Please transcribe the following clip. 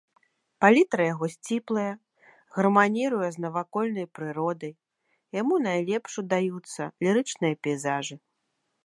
Палітра яго сціплая, гарманіруе з навакольнай прыродай, яму найлепш удаюцца лірычныя пейзажы.